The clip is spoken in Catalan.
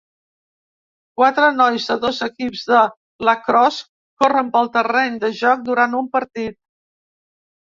Quatre nois de dos equips de lacrosse corren pel terreny de joc durant un partit.